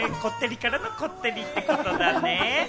こってりからのこってりってことだね。